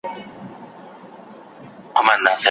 چي یې تباه کړل خپل ټبرونه